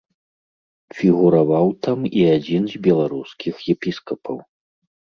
Фігураваў там і адзін з беларускіх епіскапаў.